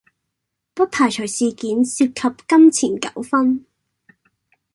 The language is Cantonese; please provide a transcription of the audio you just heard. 不排除事件涉及金錢糾紛